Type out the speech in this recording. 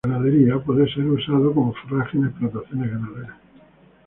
Ganadería: Puede ser usado como forraje en explotaciones ganaderas.